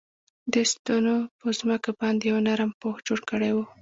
دې ستنو په ځمکه باندې یو نرم پوښ جوړ کړی و